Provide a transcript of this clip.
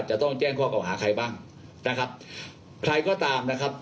จะต้องแจ้งข้อเก่าหาใครบ้างนะครับใครก็ตามนะครับ